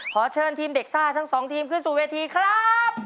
ขอเชิญทีมเด็กซ่าทั้งสองทีมขึ้นสู่เวทีครับ